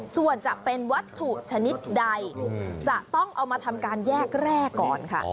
ส่วนจะเป็นวัตถุชนิดใดจะต้องเอามาทำการแยกแร่ก่อนค่ะ